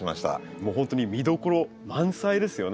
もうほんとに見どころ満載ですよね。